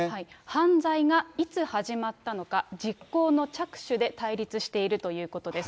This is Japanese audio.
犯罪がいつ始まったのか、実行の着手で対立しているということです。